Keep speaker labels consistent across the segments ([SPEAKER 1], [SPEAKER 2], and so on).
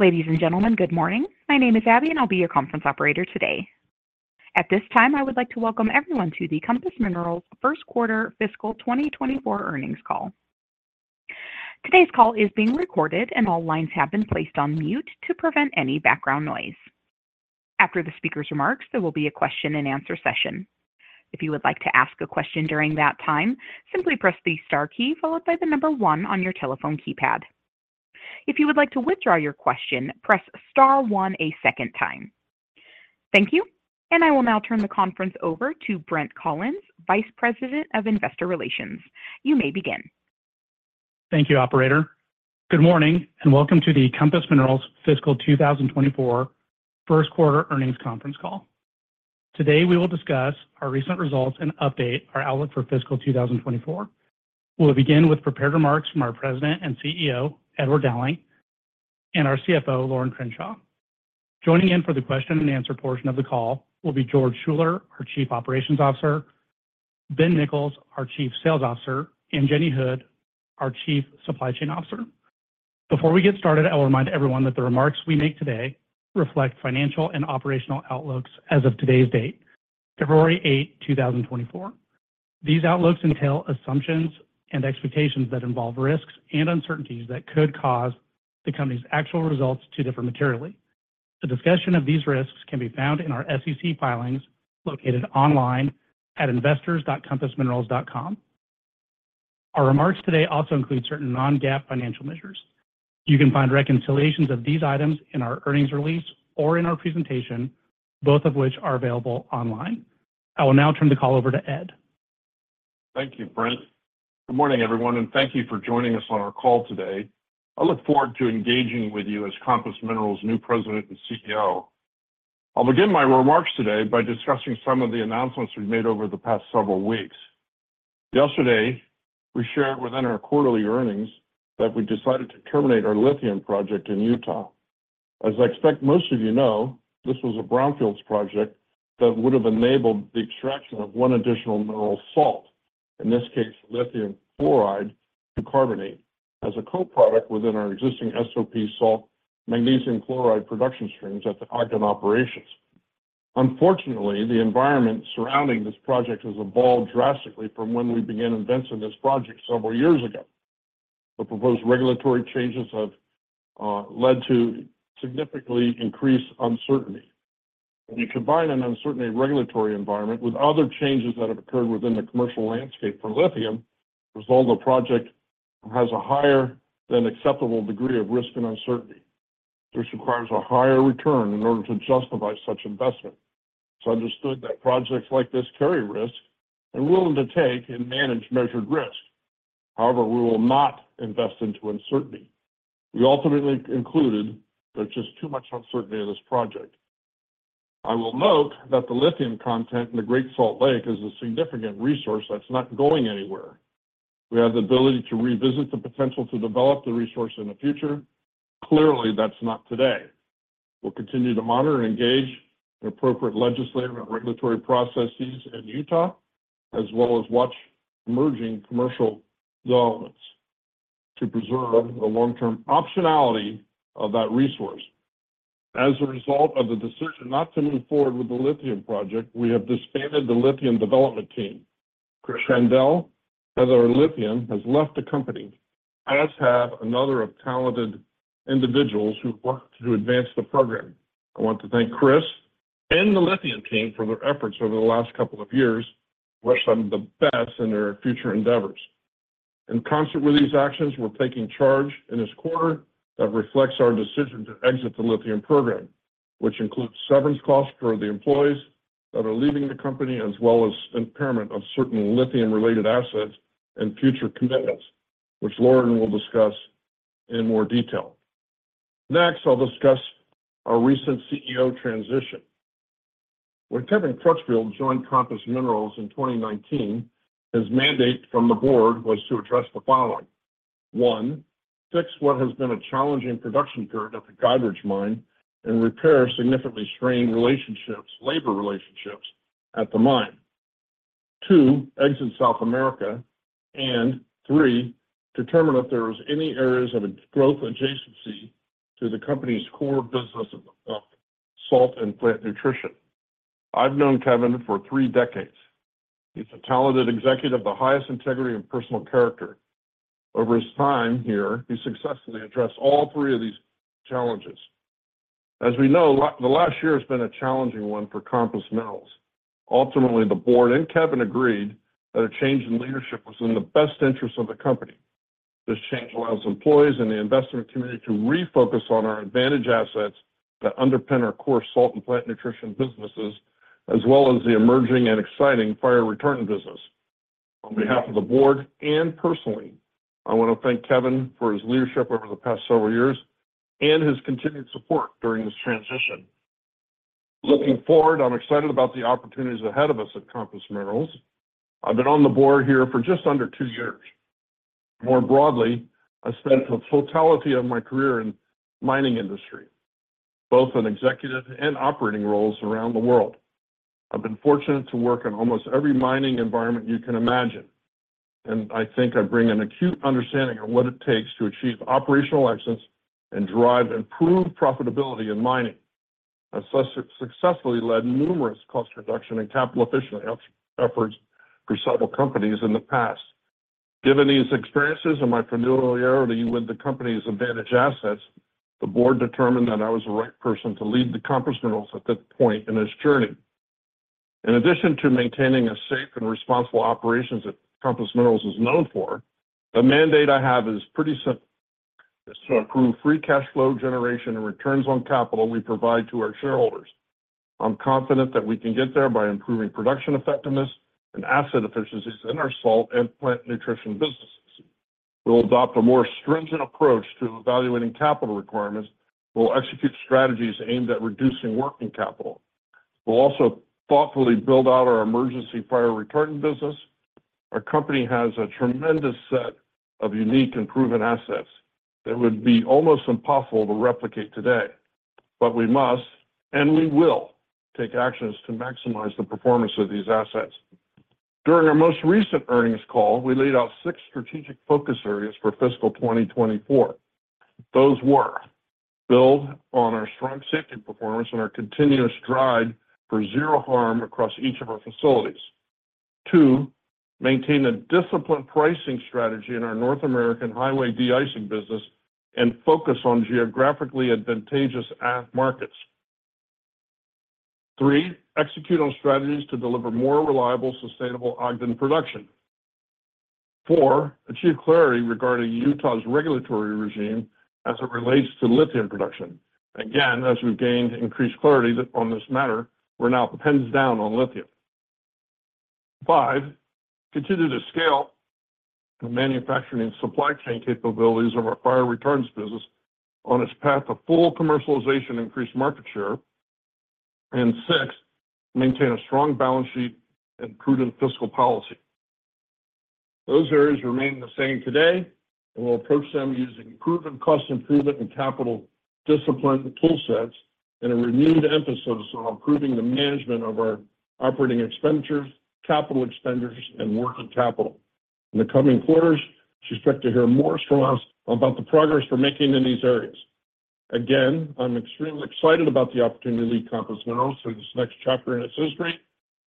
[SPEAKER 1] Ladies and gentlemen, good morning. My name is Abby, and I'll be your conference operator today. At this time, I would like to welcome everyone to the Compass Minerals Q1 fiscal 2024 earnings call. Today's call is being recorded, and all lines have been placed on mute to prevent any background noise. After the speaker's remarks, there will be a question-and-answer session. If you would like to ask a question during that time, simply press the star key followed by the number one on your telephone keypad. If you would like to withdraw your question, press star one a second time. Thank you, and I will now turn the conference over to Brent Collins, Vice President of Investor Relations. You may begin.
[SPEAKER 2] Thank you, operator. Good morning, and welcome to the Compass Minerals Fiscal 2024 Q1 earnings conference call. Today, we will discuss our recent results and update our outlook for fiscal 2024. We'll begin with prepared remarks from our President and CEO, Edward Dowling, and our CFO, Lorin Crenshaw. Joining in for the question-and-answer portion of the call will be George Schuller, our Chief Operations Officer, Ben Nichols, our Chief Sales Officer, and Jenny Hood, our Chief Supply Chain Officer. Before we get started, I will remind everyone that the remarks we make today reflect financial and operational outlooks as of today's date, February 8, 2024. These outlooks entail assumptions and expectations that involve risks and uncertainties that could cause the company's actual results to differ materially. A discussion of these risks can be found in our SEC filings, located online at investors.compassminerals.com. Our remarks today also include certain non-GAAP financial measures. You can find reconciliations of these items in our earnings release or in our presentation, both of which are available online. I will now turn the call over to Ed.
[SPEAKER 3] Thank you, Brent. Good morning, everyone, and thank you for joining us on our call today. I look forward to engaging with you as Compass Minerals' new President and CEO. I'll begin my remarks today by discussing some of the announcements we've made over the past several weeks. Yesterday, we shared within our quarterly earnings that we decided to terminate our lithium project in Utah. As I expect most of you know, this was a brownfields project that would have enabled the extraction of one additional mineral salt, in this case, lithium fluoride to carbonate, as a co-product within our existing SOP salt magnesium chloride production streams at the Ogden operations. Unfortunately, the environment surrounding this project has evolved drastically from when we began investing in this project several years ago. The proposed regulatory changes have led to significantly increased uncertainty. When you combine an uncertain regulatory environment with other changes that have occurred within the commercial landscape for lithium, as well, the project has a higher than acceptable degree of risk and uncertainty, which requires a higher return in order to justify such investment. It's understood that projects like this carry risk and willing to take and manage measured risk. However, we will not invest into uncertainty. We ultimately concluded there's just too much uncertainty in this project. I will note that the lithium content in the Great Salt Lake is a significant resource that's not going anywhere. We have the ability to revisit the potential to develop the resource in the future. Clearly, that's not today. We'll continue to monitor and engage in appropriate legislative and regulatory processes in Utah, as well as watch emerging commercial developments to preserve the long-term optionality of that resource. As a result of the decision not to move forward with the lithium project, we have disbanded the lithium development team. Chris Yandell, as our lithium, has left the company, as have another of our talented individuals who worked to advance the program. I want to thank Chris and the lithium team for their efforts over the last couple of years. I wish them the best in their future endeavors. In concert with these actions, we're taking a charge in this quarter that reflects our decision to exit the lithium program, which includes severance costs for the employees that are leaving the company, as well as impairment of certain lithium-related assets and future commitments, which Lorin will discuss in more detail. Next, I'll discuss our recent CEO transition. When Kevin Crutchfield joined Compass Minerals in 2019, his mandate from the board was to address the following: One, fix what has been a challenging production period at the Goderich mine and repair significantly strained relationships, labor relationships at the mine. Two, exit South America. And three, determine if there was any areas of growth adjacency to the company's core business of salt and plant nutrition. I've known Kevin for three decades. He's a talented executive of the highest integrity and personal character. Over his time here, he successfully addressed all three of these challenges. As we know, the last year has been a challenging one for Compass Minerals. Ultimately, the board and Kevin agreed that a change in leadership was in the best interest of the company. This change allows employees and the investment community to refocus on our advantaged assets that underpin our core salt and plant nutrition businesses, as well as the emerging and exciting fire retardant business. On behalf of the board and personally, I want to thank Kevin for his leadership over the past several years and his continued support during this transition. Looking forward, I'm excited about the opportunities ahead of us at Compass Minerals. I've been on the board here for just under two years. More broadly, I spent the totality of my career in mining industry... both in executive and operating roles around the world. I've been fortunate to work in almost every mining environment you can imagine, and I think I bring an acute understanding of what it takes to achieve operational excellence and drive improved profitability in mining. I've successfully led numerous cost reduction and capital efficiency efforts for several companies in the past. Given these experiences and my familiarity with the company's advantaged assets, the board determined that I was the right person to lead Compass Minerals at this point in its journey. In addition to maintaining a safe and responsible operations that Compass Minerals is known for, the mandate I have is pretty simple: to improve free cash flow generation and returns on capital we provide to our shareholders. I'm confident that we can get there by improving production effectiveness and asset efficiencies in our salt and plant nutrition businesses. We'll adopt a more stringent approach to evaluating capital requirements. We'll execute strategies aimed at reducing working capital. We'll also thoughtfully build out our emergency fire retardant business. Our company has a tremendous set of unique and proven assets that would be almost impossible to replicate today, but we must, and we will, take actions to maximize the performance of these assets. During our most recent earnings call, we laid out six strategic focus areas for fiscal 2024. Those were: build on our strong safety performance and our continuous drive for zero harm across each of our facilities. 2, maintain a disciplined pricing strategy in our North American highway de-icing business and focus on geographically advantaged markets. 3, execute on strategies to deliver more reliable, sustainable Ogden production. 4, achieve clarity regarding Utah's regulatory regime as it relates to lithium production. Again, as we've gained increased clarity on this matter, we're now pens down on lithium. Five, continue to scale the manufacturing supply chain capabilities of our fire retardants business on its path to full commercialization, increased market share. And six, maintain a strong balance sheet and prudent fiscal policy. Those areas remain the same today, and we'll approach them using proven cost improvement and capital discipline tool sets, and a renewed emphasis on improving the management of our operating expenditures, capital expenditures, and working capital. In the coming quarters, you should expect to hear more from us about the progress we're making in these areas. Again, I'm extremely excited about the opportunity to lead Compass Minerals through this next chapter in its history.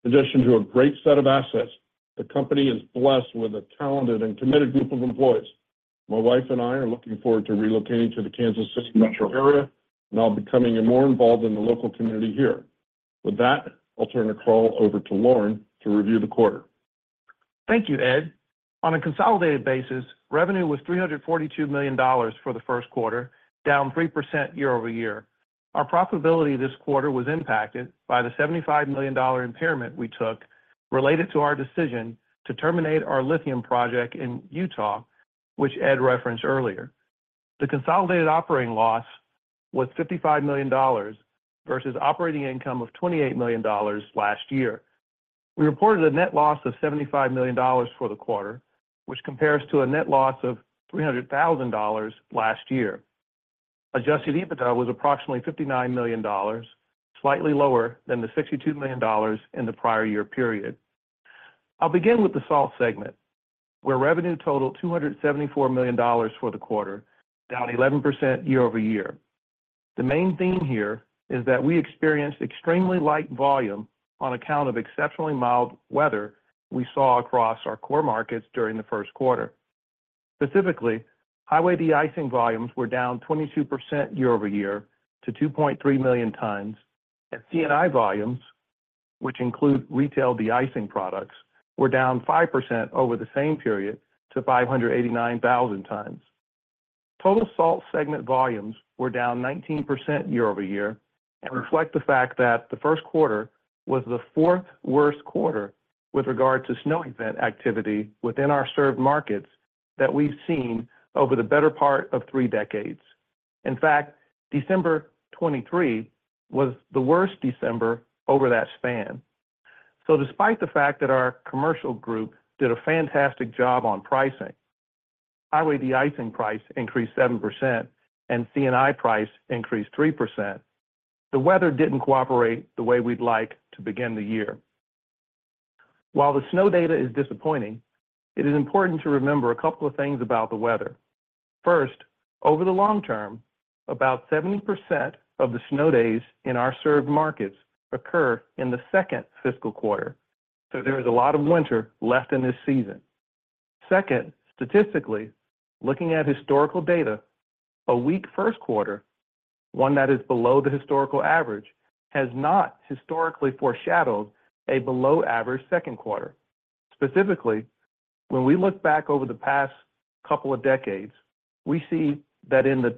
[SPEAKER 3] In addition to a great set of assets, the company is blessed with a talented and committed group of employees. My wife and I are looking forward to relocating to the Kansas City Metro area, and I'll be becoming more involved in the local community here. With that, I'll turn the call over to Lorin to review the quarter.
[SPEAKER 4] Thank you, Ed. On a consolidated basis, revenue was $342 million for the Q1, down 3% year-over-year. Our profitability this quarter was impacted by the $75 million impairment we took related to our decision to terminate our lithium project in Utah, which Ed referenced earlier. The consolidated operating loss was $55 million versus operating income of $28 million last year. We reported a net loss of $75 million for the quarter, which compares to a net loss of $300,000 last year. Adjusted EBITDA was approximately $59 million, slightly lower than the $62 million in the prior year period. I'll begin with the salt segment, where revenue totaled $274 million for the quarter, down 11% year-over-year. The main theme here is that we experienced extremely light volume on account of exceptionally mild weather we saw across our core markets during the Q1. Specifically, highway de-icing volumes were down 22% year-over-year to 2.3 million tons, and C&I volumes, which include retail de-icing products, were down 5% over the same period to 589,000 tons. Total salt segment volumes were down 19% year-over-year and reflect the fact that the Q1 was the worst Q4 with regard to snow event activity within our served markets that we've seen over the better part of three decades. In fact, December 2023 was the worst December over that span. So despite the fact that our commercial group did a fantastic job on pricing, highway de-icing price increased 7% and C&I price increased 3%. The weather didn't cooperate the way we'd like to begin the year. While the snow data is disappointing, it is important to remember a couple of things about the weather. First, over the long term, about 70% of the snow days in our served markets occur in the second fiscal quarter, so there is a lot of winter left in this season. Second, statistically, looking at historical data, Q1, one that is below the historical average, has not historically foreshadowed a below-average Q2. Specifically, when we look back over the past couple of decades, we see that in the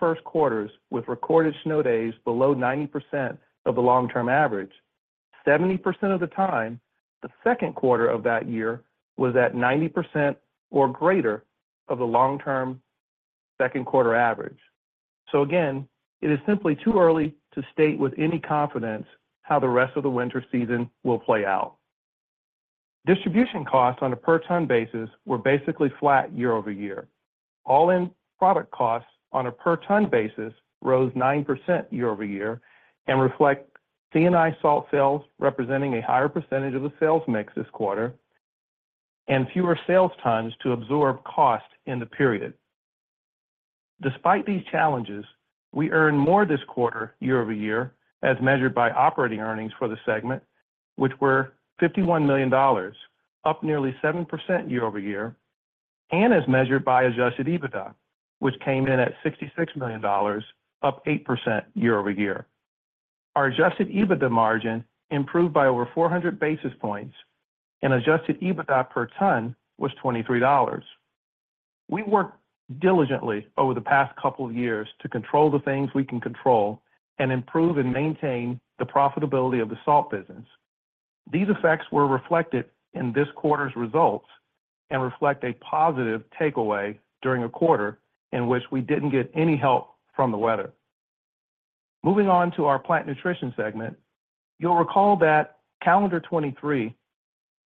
[SPEAKER 4] first Q10 with recorded snow days below 90% of the long-term average, 70% of the time, the Q2 of that year was at 90% or greater of the long-term Q2 average. So again, it is simply too early to state with any confidence how the rest of the winter season will play out. Distribution costs on a per ton basis were basically flat year-over-year. All-in product costs on a per ton basis rose 9% year-over-year and reflect C&I salt sales representing a higher percentage of the sales mix this quarter and fewer sales tons to absorb cost in the period. Despite these challenges, we earned more this quarter year-over-year, as measured by operating earnings for the segment, which were $51 million, up nearly 7% year-over-year, and as measured by adjusted EBITDA, which came in at $66 million, up 8% year-over-year. Our adjusted EBITDA margin improved by over 400 basis points, and adjusted EBITDA per ton was $23. We worked diligently over the past couple of years to control the things we can control and improve and maintain the profitability of the salt business. These effects were reflected in this quarter's results and reflect a positive takeaway during a quarter in which we didn't get any help from the weather. Moving on to our Plant Nutrition segment, you'll recall that calendar 2023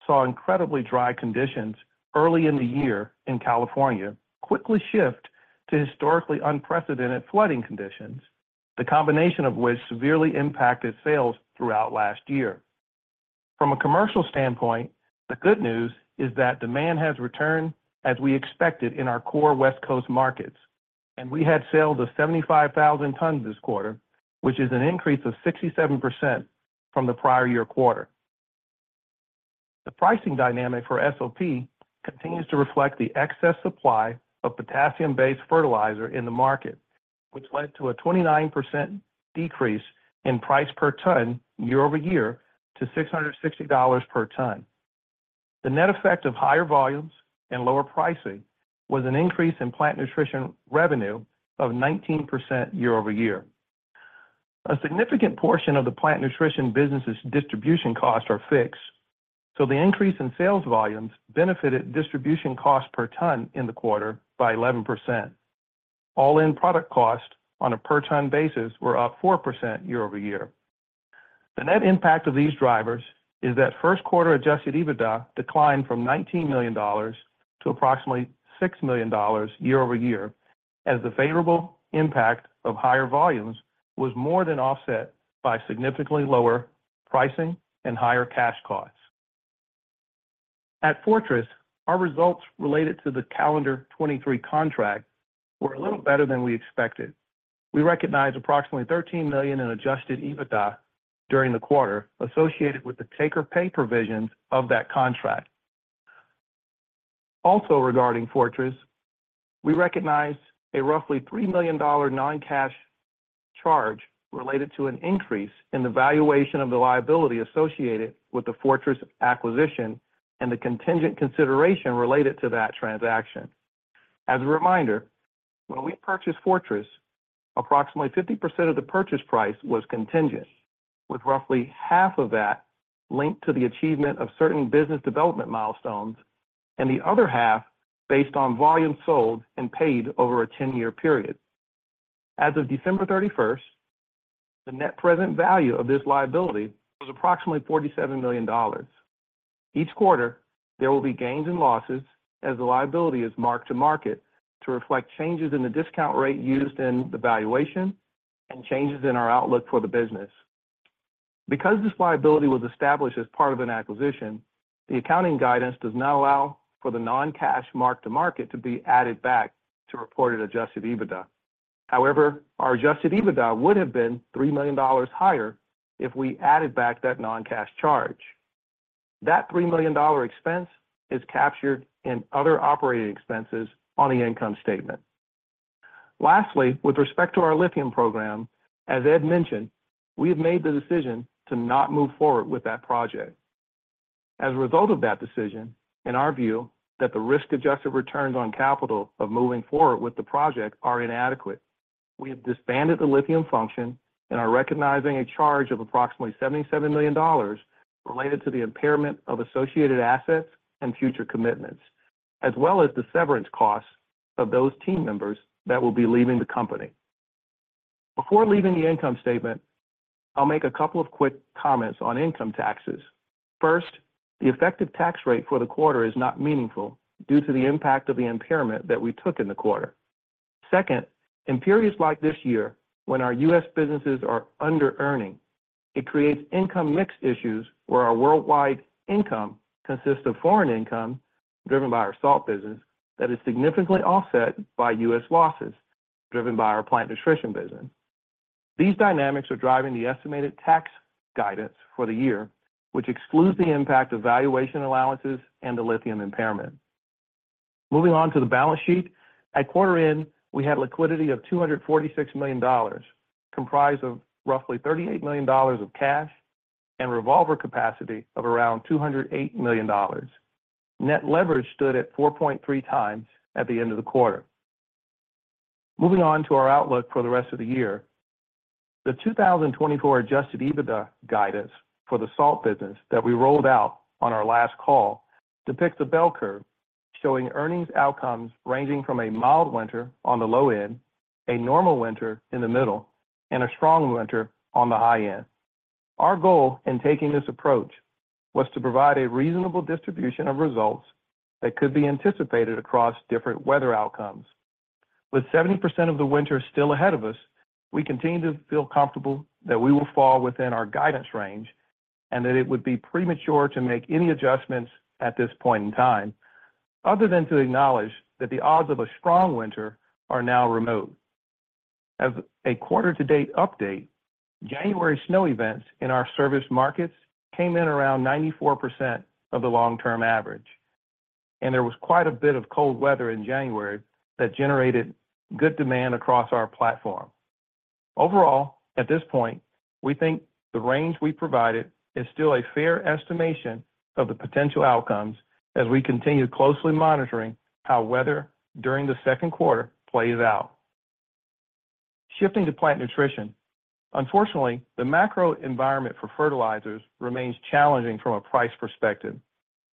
[SPEAKER 4] saw incredibly dry conditions early in the year in California, quickly shift to historically unprecedented flooding conditions, the combination of which severely impacted sales throughout last year. From a commercial standpoint, the good news is that demand has returned as we expected in our core West Coast markets, and we had sales of 75,000 tons this quarter, which is an increase of 67% from the prior year quarter. The pricing dynamic for SOP continues to reflect the excess supply of potassium-based fertilizer in the market, which led to a 29% decrease in price per ton year-over-year to $660 per ton. The net effect of higher volumes and lower pricing was an increase in plant nutrition revenue of 19% year-over-year. A significant portion of the plant nutrition business's distribution costs are fixed, so the increase in sales volumes benefited distribution costs per ton in the quarter by 11%. All-in product costs on a per ton basis were up 4% year-over-year. The net impact of these drivers is that Q1 Adjusted EBITDA declined from $19 million to approximately $6 million year-over-year, as the favorable impact of higher volumes was more than offset by significantly lower pricing and higher cash costs. At Fortress, our results related to the 2023 contract were a little better than we expected. We recognized approximately $13 million in Adjusted EBITDA during the quarter associated with the take-or-pay provisions of that contract. Also regarding Fortress, we recognized a roughly $3 million non-cash charge related to an increase in the valuation of the liability associated with the Fortress acquisition and the contingent consideration related to that transaction. As a reminder, when we purchased Fortress, approximately 50% of the purchase price was contingent, with roughly half of that linked to the achievement of certain business development milestones and the other half based on volume sold and paid over a 10-year period. As of December 31st, the net present value of this liability was approximately $47 million. Each quarter, there will be gains and losses as the liability is marked to market to reflect changes in the discount rate used in the valuation and changes in our outlook for the business. Because this liability was established as part of an acquisition, the accounting guidance does not allow for the non-cash mark to market to be added back to reported Adjusted EBITDA. However, our Adjusted EBITDA would have been $3 million higher if we added back that non-cash charge. That $3 million expense is captured in other operating expenses on the income statement. Lastly, with respect to our lithium program, as Ed mentioned, we have made the decision to not move forward with that project. As a result of that decision, in our view, that the risk-adjusted returns on capital of moving forward with the project are inadequate. We have disbanded the lithium function and are recognizing a charge of approximately $77 million related to the impairment of associated assets and future commitments, as well as the severance costs of those team members that will be leaving the company. Before leaving the income statement, I'll make a couple of quick comments on income taxes. First, the effective tax rate for the quarter is not meaningful due to the impact of the impairment that we took in the quarter. Second, in periods like this year, when our U.S. businesses are under-earning, it creates income mix issues where our worldwide income consists of foreign income, driven by our salt business, that is significantly offset by U.S. losses, driven by our plant nutrition business. These dynamics are driving the estimated tax guidance for the year, which excludes the impact of valuation allowances and the lithium impairment. Moving on to the balance sheet. At quarter end, we had liquidity of $246 million, comprised of roughly $38 million of cash and revolver capacity of around $208 million. Net leverage stood at 4.3x at the end of the quarter. Moving on to our outlook for the rest of the year. The 2024 adjusted EBITDA guidance for the salt business that we rolled out on our last call depicts a bell curve... showing earnings outcomes ranging from a mild winter on the low end, a normal winter in the middle, and a strong winter on the high end. Our goal in taking this approach was to provide a reasonable distribution of results that could be anticipated across different weather outcomes. With 70% of the winter still ahead of us, we continue to feel comfortable that we will fall within our guidance range, and that it would be premature to make any adjustments at this point in time, other than to acknowledge that the odds of a strong winter are now remote. As a quarter-to-date update, January snow events in our service markets came in around 94% of the long-term average, and there was quite a bit of cold weather in January that generated good demand across our platform. Overall, at this point, we think the range we provided is still a fair estimation of the potential outcomes as we continue closely monitoring how weather during the Q2 plays out. Shifting to plant nutrition, unfortunately, the macro environment for fertilizers remains challenging from a price perspective.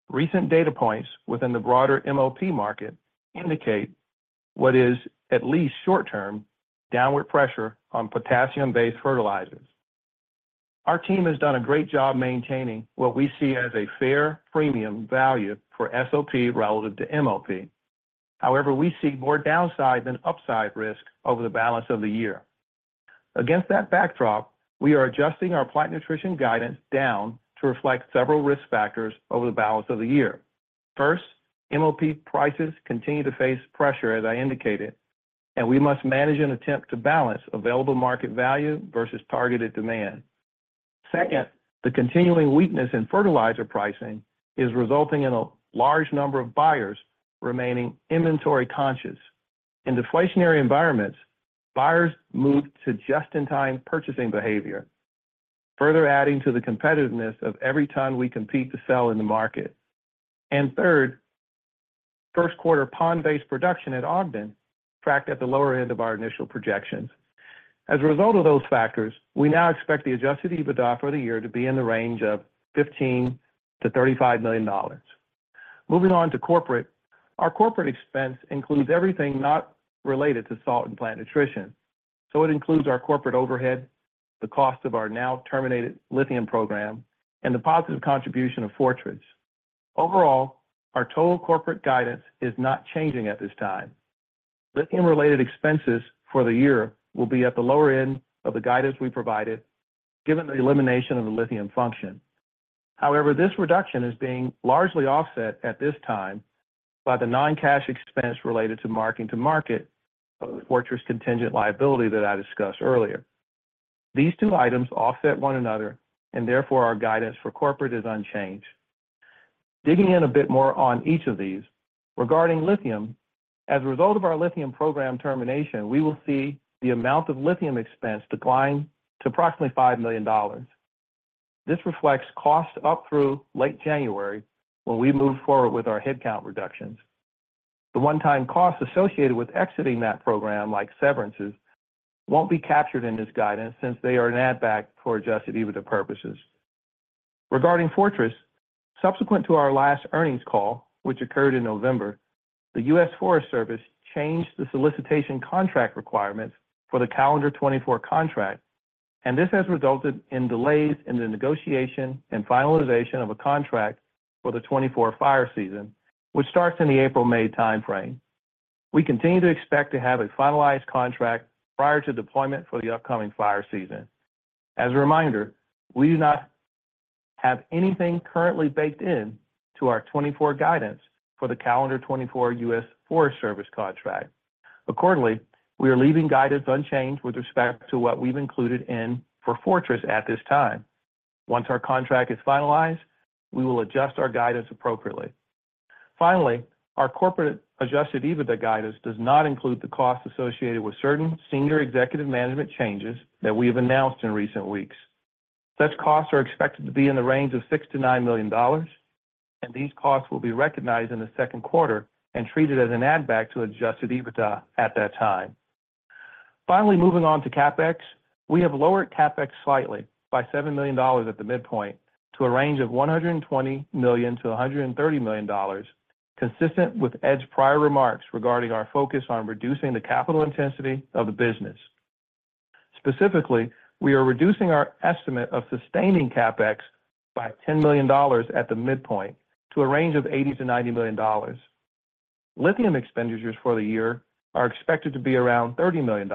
[SPEAKER 4] Recent data points within the broader MOP market indicate what is, at least short-term, downward pressure on potassium-based fertilizers. Our team has done a great job maintaining what we see as a fair premium value for SOP relative to MOP. However, we see more downside than upside risk over the balance of the year. Against that backdrop, we are adjusting our Plant Nutrition guidance down to reflect several risk factors over the balance of the year. First, MOP prices continue to face pressure, as I indicated, and we must manage and attempt to balance available market value versus targeted demand. Second, the continuing weakness in fertilizer pricing is resulting in a large number of buyers remaining inventory conscious. In deflationary environments, buyers move to just-in-time purchasing behavior, further adding to the competitiveness of every ton we compete to sell in the market. And third, Q1 pond-based production at Ogden tracked at the lower end of our initial projections. As a result of those factors, we now expect the Adjusted EBITDA for the year to be in the range of $15 million-$35 million. Moving on to corporate. Our corporate expense includes everything not related to Salt and Plant Nutrition, so it includes our corporate overhead, the cost of our now terminated lithium program, and the positive contribution of Fortress. Overall, our total corporate guidance is not changing at this time. Lithium-related expenses for the year will be at the lower end of the guidance we provided, given the elimination of the lithium function. However, this reduction is being largely offset at this time by the non-cash expense related to marking to market of the Fortress contingent liability that I discussed earlier. These two items offset one another, and therefore, our guidance for corporate is unchanged. Digging in a bit more on each of these, regarding lithium, as a result of our lithium program termination, we will see the amount of lithium expense decline to approximately $5 million. This reflects costs up through late January, when we moved forward with our headcount reductions. The one-time costs associated with exiting that program, like severances, won't be captured in this guidance since they are an add-back for Adjusted EBITDA purposes. Regarding Fortress, subsequent to our last earnings call, which occurred in November, the U.S. Forest Service changed the solicitation contract requirements for the calendar 2024 contract, and this has resulted in delays in the negotiation and finalization of a contract for the 2024 fire season, which starts in the April-May timeframe. We continue to expect to have a finalized contract prior to deployment for the upcoming fire season. As a reminder, we do not have anything currently baked in to our 2024 guidance for the calendar 2024 U.S. Forest Service contract. Accordingly, we are leaving guidance unchanged with respect to what we've included in for Fortress at this time. Once our contract is finalized, we will adjust our guidance appropriately. Finally, our corporate Adjusted EBITDA guidance does not include the costs associated with certain senior executive management changes that we have announced in recent weeks. Such costs are expected to be in the range of $6 million-$9 million, and these costs will be recognized in the Q2 and treated as an add back to Adjusted EBITDA at that time. Finally, moving on to CapEx. We have lowered CapEx slightly by $7 million at the midpoint to a range of $120 million-$130 million, consistent with Ed's prior remarks regarding our focus on reducing the capital intensity of the business. Specifically, we are reducing our estimate of sustaining CapEx by $10 million at the midpoint to a range of $80 million-$90 million. Lithium expenditures for the year are expected to be around $30 million,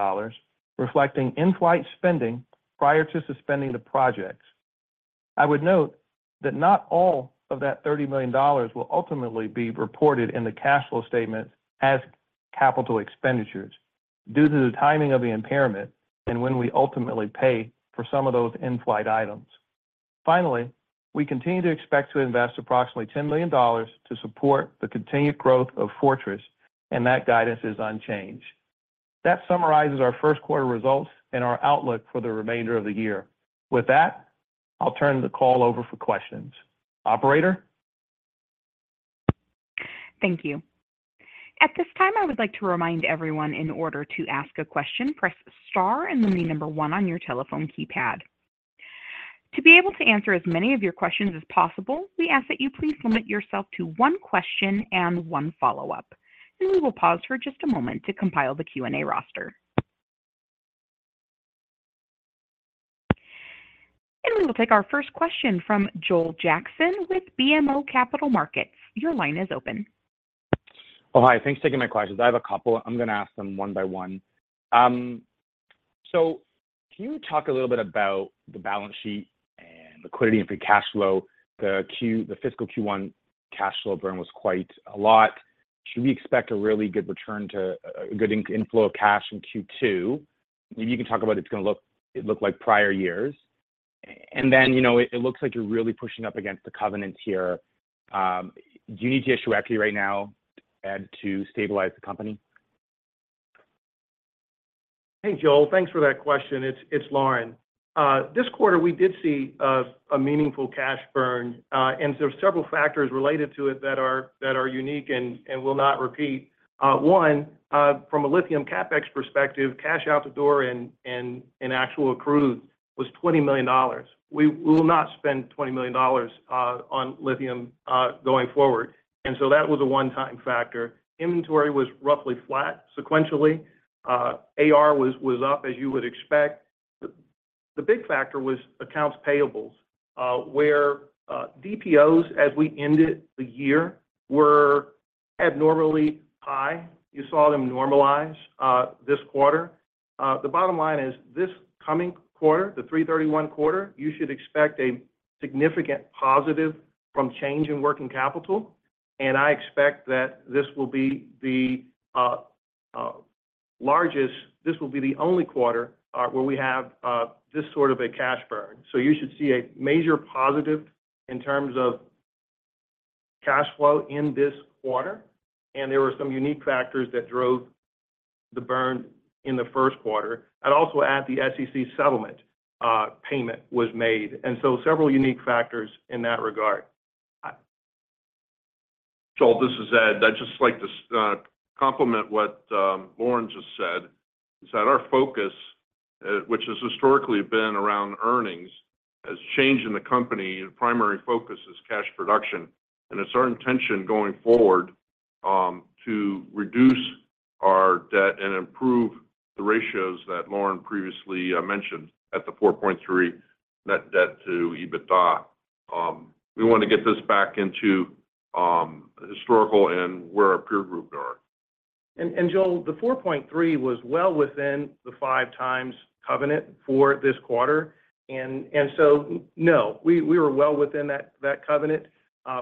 [SPEAKER 4] reflecting in-flight spending prior to suspending the projects. I would note that not all of that $30 million will ultimately be reported in the cash flow statement as capital expenditures due to the timing of the impairment and when we ultimately pay for some of those in-flight items. Finally, we continue to expect to invest approximately $10 million to support the continued growth of Fortress, and that guidance is unchanged. That summarizes our Q1 results and our outlook for the remainder of the year. With that, I'll turn the call over for questions. Operator?
[SPEAKER 1] Thank you. At this time, I would like to remind everyone in order to ask a question, press Star and then the number 1 on your telephone keypad.... To be able to answer as many of your questions as possible, we ask that you please limit yourself to one question and one follow-up. And we will pause for just a moment to compile the Q&A roster. And we will take our first question from Joel Jackson with BMO Capital Markets. Your line is open.
[SPEAKER 5] Oh, hi. Thanks for taking my questions. I have a couple. I'm gonna ask them one by one. So can you talk a little bit about the balance sheet and liquidity and free cash flow? The fiscal Q1 cash flow burn was quite a lot. Should we expect a really good return to a good inflow of cash in Q2? If you can talk about it's gonna look, it looked like prior years. And then, you know, it looks like you're really pushing up against the covenants here. Do you need to issue equity right now, Ed, to stabilize the company?
[SPEAKER 4] Hey, Joel, thanks for that question. It's Lorin. This quarter, we did see a meaningful cash burn. And there are several factors related to it that are unique and will not repeat. One, from a lithium CapEx perspective, cash out the door and actual accrues was $20 million. We will not spend $20 million on lithium going forward, and so that was a one-time factor. Inventory was roughly flat sequentially. AR was up, as you would expect. The big factor was accounts payables, where DPOs, as we ended the year, were abnormally high. You saw them normalize this quarter. The bottom line is, this coming quarter, the three Q31, you should expect a significant positive from change in working capital. I expect that this will be the only quarter where we have this sort of a cash burn. So you should see a major positive in terms of cash flow in this quarter, and there were some unique factors that drove the burn in the Q1. I'd also add, the SEC settlement payment was made, and so several unique factors in that regard.
[SPEAKER 3] Joel, this is Ed. I'd just like to complement what Lorin just said, is that our focus, which has historically been around earnings, has changed in the company, and primary focus is cash production. It's our intention going forward to reduce our debt and improve the ratios that Lorin previously mentioned at the 4.3 net debt to EBITDA. We want to get this back into historical and where our peer groups are.
[SPEAKER 4] And Joel, the 4.3 was well within the 5x covenant for this quarter. And so, no, we were well within that covenant.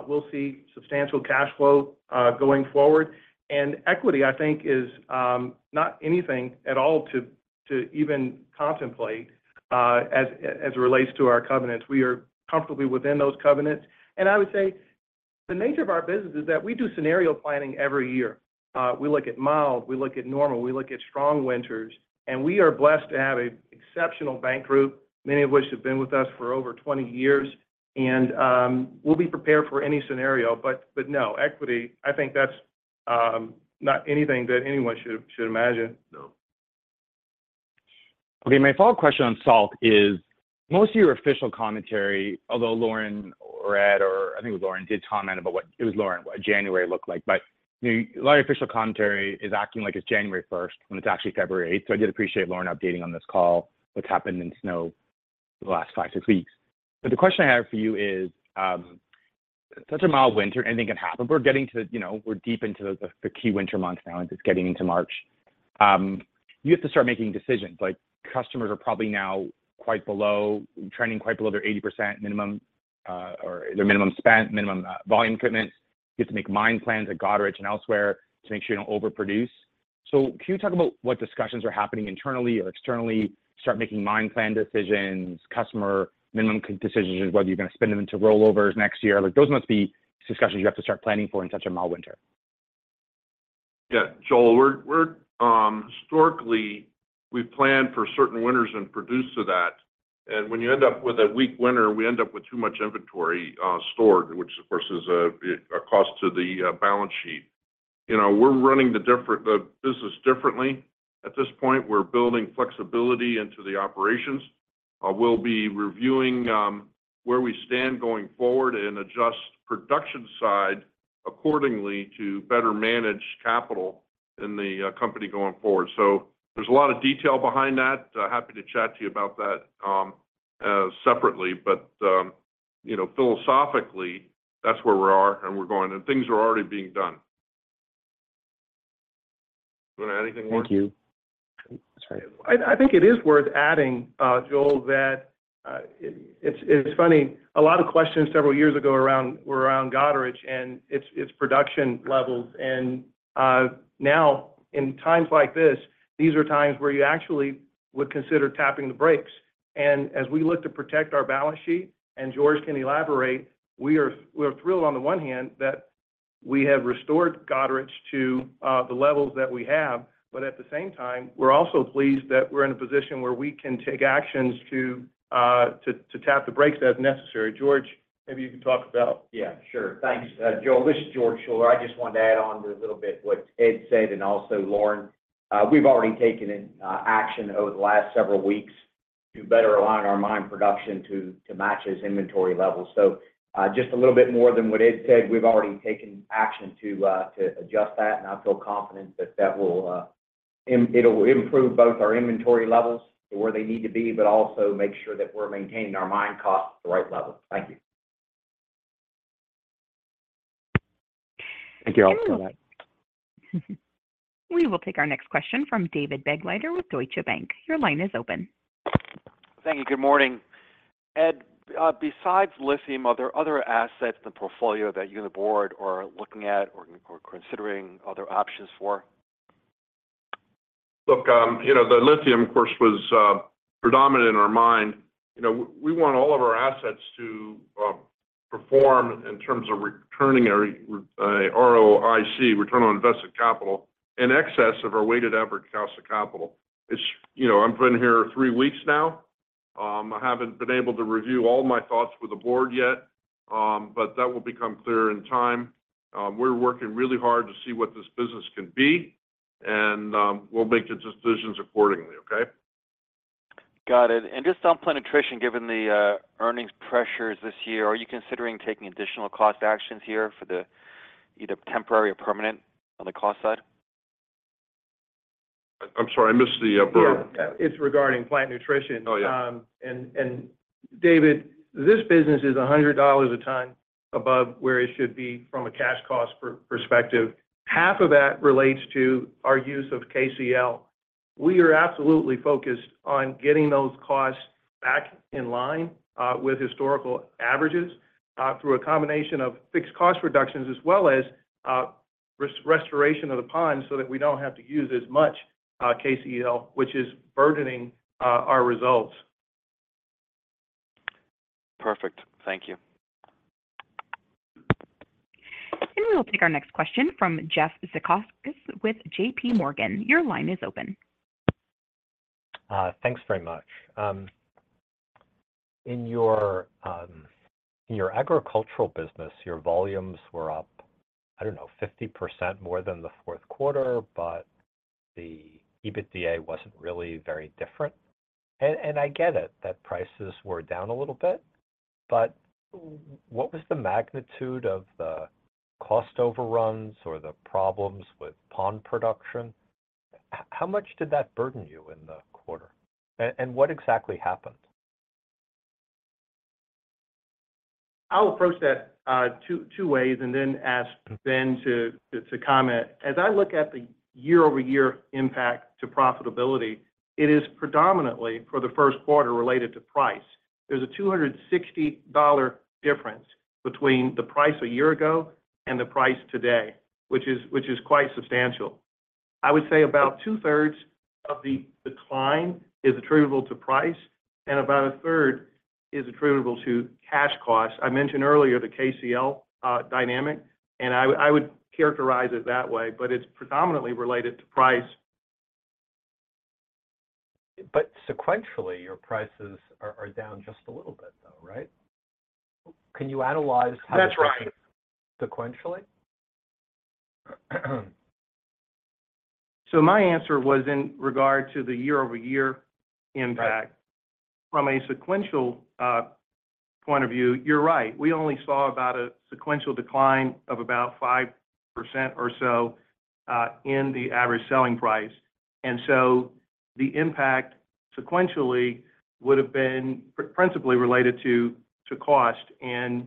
[SPEAKER 4] We'll see substantial cash flow going forward. And equity, I think, is not anything at all to even contemplate, as it relates to our covenants. We are comfortably within those covenants. And I would say the nature of our business is that we do scenario planning every year. We look at mild, we look at normal, we look at strong winters. And we are blessed to have an exceptional bank group, many of which have been with us for over 20 years, and we'll be prepared for any scenario. But no, equity, I think that's not anything that anyone should imagine.
[SPEAKER 3] No.
[SPEAKER 5] Okay, my follow-up question on salt is, most of your official commentary, although Lorin or Ed, or I think it was Lorin, did comment about what, it was Lorin, what January looked like. But, you know, a lot of official commentary is acting like it's January first, when it's actually February eighth. So I did appreciate Lorin updating on this call, what's happened in snow the last five, six weeks. But the question I have for you is, such a mild winter, anything can happen. We're getting to, you know, we're deep into the key winter months now, and it's getting into March. You have to start making decisions, like customers are probably now quite below, trending quite below their 80% minimum, or their minimum spend, minimum volume commitment. You have to make mine plans at Goderich and elsewhere to make sure you don't overproduce. So can you talk about what discussions are happening internally or externally to start making mine plan decisions, customer minimum decisions, whether you're gonna spend them into rollovers next year? Like, those must be discussions you have to start planning for in such a mild winter.
[SPEAKER 3] Yeah, Joel, historically, we plan for certain winters and produce to that. When you end up with a weak winter, we end up with too much inventory stored, which of course is a cost to the balance sheet. You know, we're running the business differently. At this point, we're building flexibility into the operations. We'll be reviewing where we stand going forward and adjust production side accordingly to better manage capital in the company going forward. So there's a lot of detail behind that. Happy to chat to you about that separately, but you know, philosophically, that's where we are, and things are already being done. You wanna add anything more?
[SPEAKER 5] Thank you. Sorry.
[SPEAKER 4] I think it is worth adding, Joel, that it's funny, a lot of questions several years ago around Goderich and its production levels. And now, in times like this, these are times where you actually would consider tapping the brakes. And as we look to protect our balance sheet, and George can elaborate, we're thrilled on the one hand that we have restored Goderich to the levels that we have. But at the same time, we're also pleased that we're in a position where we can take actions to tap the brakes as necessary. George, maybe you can talk about-
[SPEAKER 6] Yeah, sure. Thanks, Joel. This is George Schuller. I just wanted to add on to a little bit what Ed said and also Lorin.... We've already taken an action over the last several weeks to better align our mine production to match its inventory levels. So, just a little bit more than what Ed said, we've already taken action to adjust that, and I feel confident that that will, it'll improve both our inventory levels to where they need to be, but also make sure that we're maintaining our mine costs at the right level. Thank you.
[SPEAKER 5] Thank you, all, for that.
[SPEAKER 1] We will take our next question from David Begleiter with Deutsche Bank. Your line is open.
[SPEAKER 7] Thank you. Good morning. Ed, besides lithium, are there other assets in the portfolio that you and the board are looking at or considering other options for?
[SPEAKER 3] Look, you know, the lithium, of course, was predominant in our mind. You know, we want all of our assets to perform in terms of returning our ROIC, return on invested capital, in excess of our weighted average cost of capital. It's... You know, I've been here three weeks now. I haven't been able to review all my thoughts with the board yet, but that will become clearer in time. We're working really hard to see what this business can be, and we'll make the decisions accordingly, okay?
[SPEAKER 7] Got it. And just on Plant Nutrition, given the earnings pressures this year, are you considering taking additional cost actions here for the either temporary or permanent on the cost side?
[SPEAKER 3] I'm sorry, I missed the first-
[SPEAKER 4] Yeah, it's regarding Plant Nutrition.
[SPEAKER 3] Oh, yeah.
[SPEAKER 4] And David, this business is $100 a ton above where it should be from a cash cost perspective. Half of that relates to our use of KCl. We are absolutely focused on getting those costs back in line with historical averages through a combination of fixed cost reductions as well as restoration of the ponds so that we don't have to use as much KCl, which is burdening our results.
[SPEAKER 7] Perfect. Thank you.
[SPEAKER 1] We will take our next question is from Jeff Zekauskas at JP Morgan. Your line is open.
[SPEAKER 8] Thanks very much. In your agricultural business, your volumes were up, I don't know, 50% more than the Q4, but the EBITDA wasn't really very different. I get it, that prices were down a little bit, but what was the magnitude of the cost overruns or the problems with pond production? How much did that burden you in the quarter? And what exactly happened?
[SPEAKER 4] I'll approach that two ways and then ask Ben to comment. As I look at the year-over-year impact to profitability, it is predominantly, for the Q1, related to price. There's a $260 difference between the price a year ago and the price today, which is quite substantial. I would say about two-thirds of the decline is attributable to price, and about a third is attributable to cash costs. I mentioned earlier the KCl dynamic, and I would characterize it that way, but it's predominantly related to price.
[SPEAKER 8] But sequentially, your prices are down just a little bit though, right? Can you analyze how-
[SPEAKER 4] That's right ...
[SPEAKER 8] sequentially?
[SPEAKER 4] My answer was in regard to the year-over-year impact.
[SPEAKER 8] Right.
[SPEAKER 4] From a sequential point of view, you're right. We only saw about a sequential decline of about 5% or so in the average selling price. And so the impact sequentially would have been principally related to cost, and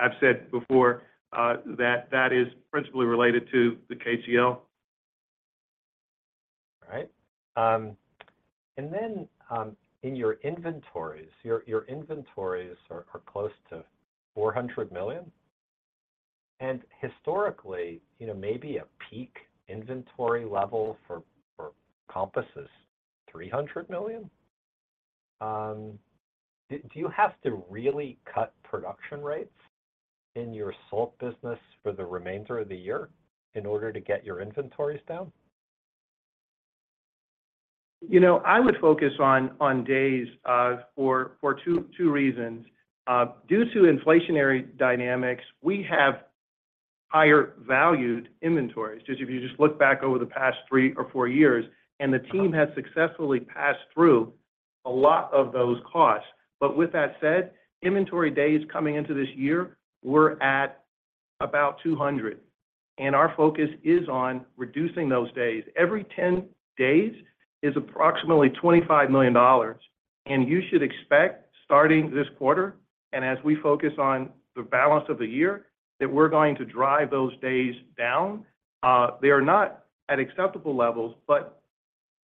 [SPEAKER 4] I've said before that that is principally related to the KCl.
[SPEAKER 8] All right. And then, in your inventories, your inventories are close to $400 million. And historically, you know, maybe a peak inventory level for Compass is $300 million. Do you have to really cut production rates in your salt business for the remainder of the year in order to get your inventories down?
[SPEAKER 4] You know, I would focus on days for two reasons. Due to inflationary dynamics, we have higher valued inventories, just if you just look back over the past three or four years, and the team has successfully passed through a lot of those costs. But with that said, inventory days coming into this year were at about 200, and our focus is on reducing those days. Every 10 days is approximately $25 million, and you should expect, starting this quarter and as we focus on the balance of the year, that we're going to drive those days down. They are not at acceptable levels, but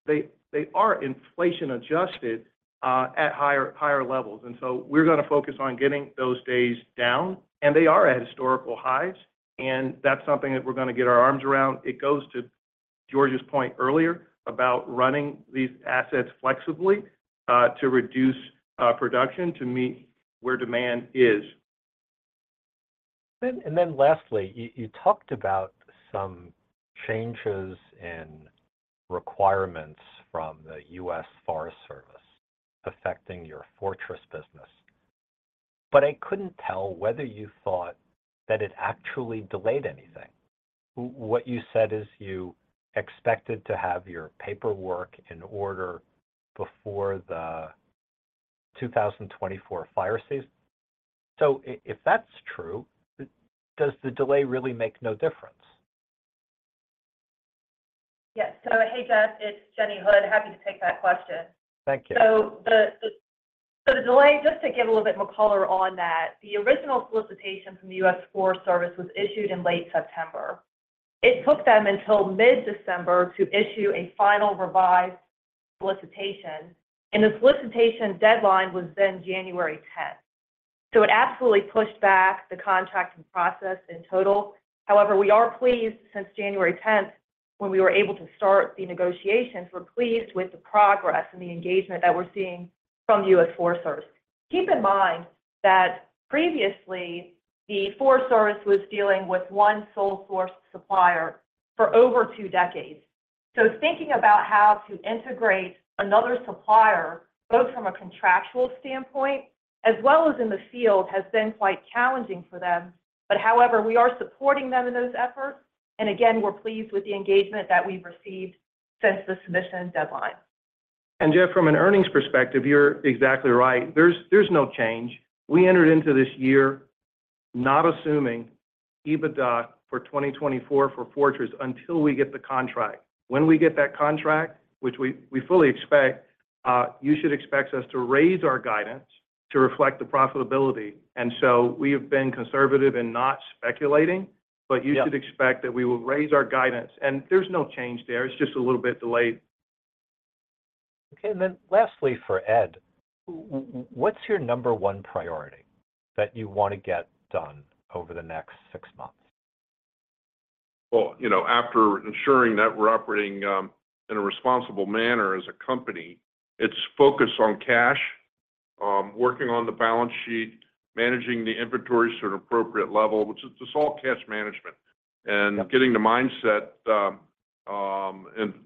[SPEAKER 4] they are inflation-adjusted at higher levels. And so we're gonna focus on getting those days down, and they are at historical highs, and that's something that we're gonna get our arms around. It goes to George's point earlier about running these assets flexibly, to reduce production to meet where demand is.
[SPEAKER 8] Then lastly, you talked about some changes in requirements from the U.S. Forest Service affecting your Fortress business. But I couldn't tell whether you thought that it actually delayed anything. What you said is you expected to have your paperwork in order before the 2024 fire season. So if that's true, does the delay really make no difference?
[SPEAKER 9] Yes. Hey, Jeff, it's Jenny Hood. Happy to take that question.
[SPEAKER 8] Thank you.
[SPEAKER 9] So the delay, just to give a little bit more color on that, the original solicitation from the U.S. Forest Service was issued in late September. It took them until mid-December to issue a final revised solicitation, and the solicitation deadline was then January tenth. So it absolutely pushed back the contracting process in total. However, we are pleased, since January tenth, when we were able to start the negotiations, we're pleased with the progress and the engagement that we're seeing from the U.S. Forest Service. Keep in mind that previously, the Forest Service was dealing with one sole source supplier for over two decades. So thinking about how to integrate another supplier, both from a contractual standpoint as well as in the field, has been quite challenging for them. However, we are supporting them in those efforts, and again, we're pleased with the engagement that we've received since the submission deadline.
[SPEAKER 4] And Jeff, from an earnings perspective, you're exactly right. There's no change. We entered into this year not assuming EBITDA for 2024 for Fortress until we get the contract. When we get that contract, which we fully expect, you should expect us to raise our guidance to reflect the profitability. And so we have been conservative and not speculating-
[SPEAKER 8] Yeah.
[SPEAKER 4] But you should expect that we will raise our guidance, and there's no change there. It's just a little bit delayed.
[SPEAKER 8] Okay, and then lastly, for Ed, what's your number one priority that you want to get done over the next six months?
[SPEAKER 3] Well, you know, after ensuring that we're operating in a responsible manner as a company, it's focus on cash, working on the balance sheet, managing the inventory to an appropriate level, which is just all cash management.
[SPEAKER 8] Yeah.
[SPEAKER 3] Getting the mindset,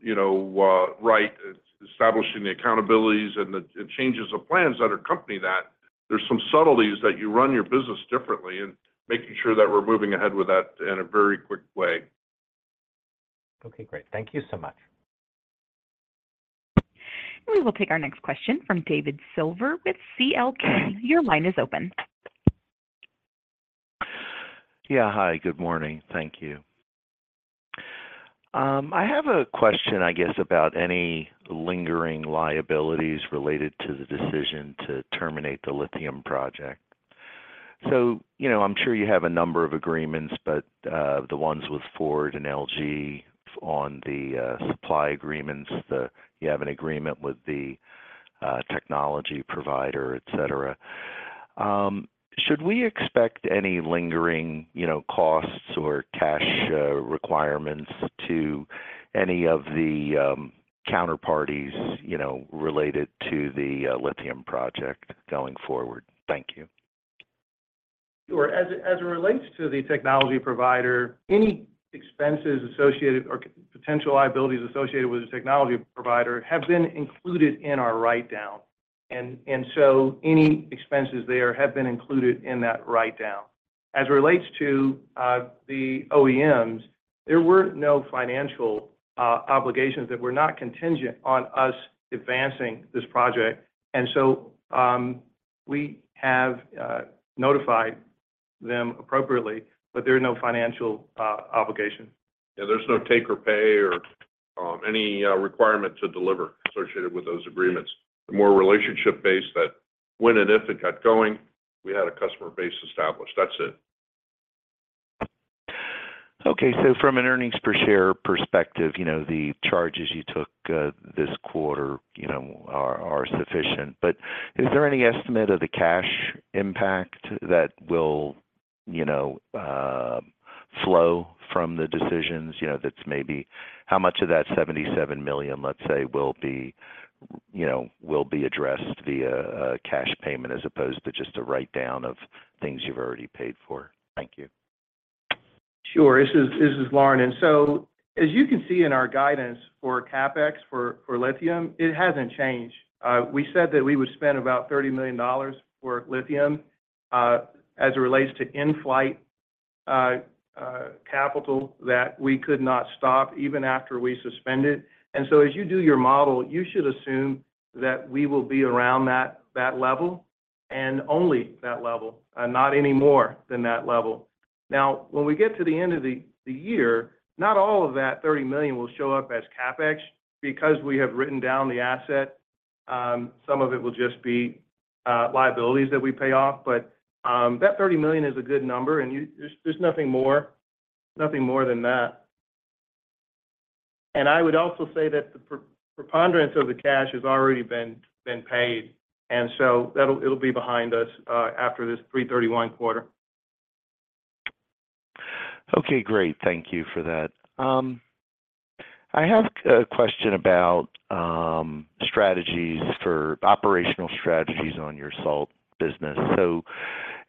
[SPEAKER 3] you know, right, establishing the accountabilities and the changes of plans that accompany that. There's some subtleties that you run your business differently, and making sure that we're moving ahead with that in a very quick way.
[SPEAKER 8] Okay, great. Thank you so much.
[SPEAKER 1] We will take our next question from David Silver with CLK. Your line is open.
[SPEAKER 10] Yeah, hi, good morning. Thank you. I have a question, I guess, about any lingering liabilities related to the decision to terminate the lithium project. So, you know, I'm sure you have a number of agreements, but the ones with Ford and LG on the supply agreements, the... You have an agreement with the technology provider, et cetera. Should we expect any lingering, you know, costs or cash requirements to any of the counterparties, you know, related to the lithium project going forward? Thank you.
[SPEAKER 4] Sure. As it relates to the technology provider, any expenses associated or potential liabilities associated with the technology provider have been included in our write-down. And so any expenses there have been included in that write-down. As it relates to the OEMs, there were no financial obligations that were not contingent on us advancing this project. And so we have notified them appropriately, but there are no financial obligations.
[SPEAKER 3] Yeah, there's no take or pay or any requirement to deliver associated with those agreements. More relationship-based that when and if it got going, we had a customer base established. That's it.
[SPEAKER 10] Okay, so from an earnings per share perspective, you know, the charges you took this quarter, you know, are, are sufficient. But is there any estimate of the cash impact that will, you know, flow from the decisions? You know, that's maybe how much of that $77 million, let's say, will be, you know, will be addressed via a cash payment as opposed to just a write-down of things you've already paid for? Thank you.
[SPEAKER 4] Sure. This is Lorin. And so, as you can see in our guidance for CapEx for lithium, it hasn't changed. We said that we would spend about $30 million for lithium, as it relates to in-flight capital that we could not stop even after we suspended it. And so as you do your model, you should assume that we will be around that level and only that level, not any more than that level. Now, when we get to the end of the year, not all of that $30 million will show up as CapEx because we have written down the asset. Some of it will just be liabilities that we pay off, but that $30 million is a good number. There's nothing more than that. I would also say that the preponderance of the cash has already been paid, and so it'll be behind us after this 3/31 quarter.
[SPEAKER 10] Okay, great. Thank you for that. I have a question about operational strategies on your salt business. So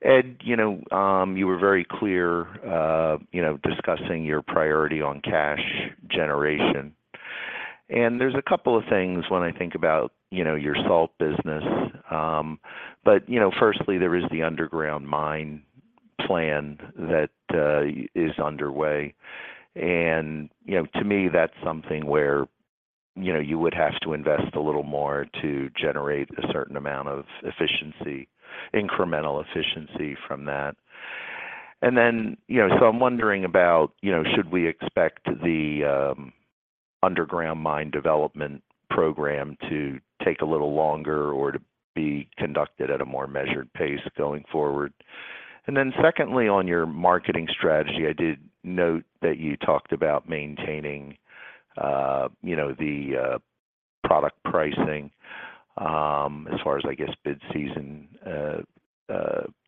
[SPEAKER 10] Ed, you know, you were very clear, you know, discussing your priority on cash generation. And there's a couple of things when I think about, you know, your salt business. But, you know, firstly, there is the underground mine plan that is underway. And, you know, to me, that's something where, you know, you would have to invest a little more to generate a certain amount of efficiency, incremental efficiency from that. And then, you know, so I'm wondering about, you know, should we expect the underground mine development program to take a little longer or to be conducted at a more measured pace going forward? And then, secondly, on your marketing strategy, I did note that you talked about maintaining, you know, the product pricing, as far as, I guess, bid season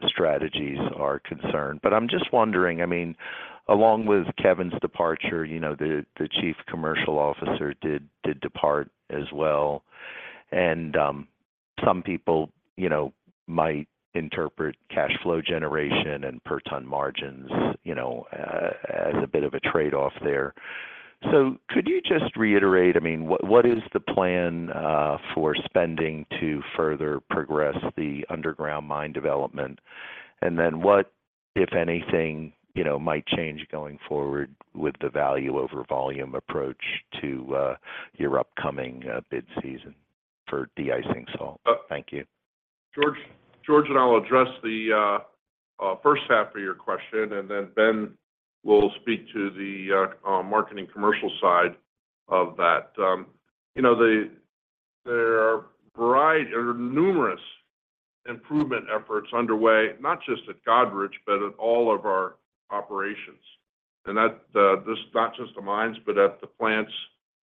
[SPEAKER 10] strategies are concerned. But I'm just wondering, I mean, along with Kevin's departure, you know, the Chief Commercial Officer did depart as well, and some people, you know, might interpret cash flow generation and per ton margins, you know, as a bit of a trade-off there. So could you just reiterate, I mean, what is the plan for spending to further progress the underground mine development? And then what, if anything, you know, might change going forward with the value over volume approach to your upcoming bid season for de-icing salt? Thank you.
[SPEAKER 3] George, George, and I'll address the first half of your question, and then Ben will speak to the marketing commercial side of that. You know, there are a variety or numerous improvement efforts underway, not just at Goderich, but at all of our operations, and not just the mines, but at the plants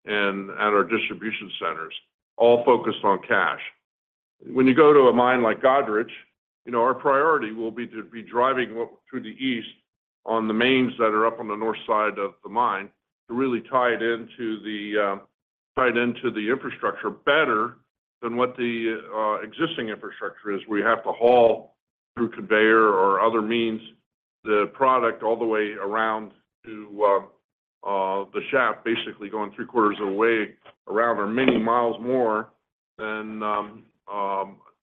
[SPEAKER 3] and at our distribution centers, all focused on cash. When you go to a mine like Goderich, you know, our priority will be to be driving through the east on the mains that are up on the north side of the mine to really tie it into the infrastructure better than what the existing infrastructure is. We have to haul through conveyor or other means, the product all the way around to, the shaft, basically going Q3 of the way around or many miles more than,